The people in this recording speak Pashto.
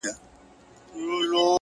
خدايه سندرو کي مي ژوند ونغاړه”